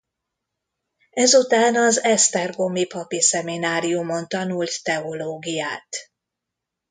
Ezután az esztergomi papi szemináriumon tanult teológiát.